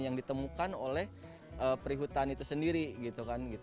yang ditemukan oleh peri hutan itu sendiri gitu kan gitu